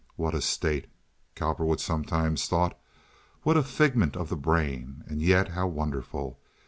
What a state, Cowperwood sometimes thought; what a figment of the brain, and yet how wonderful!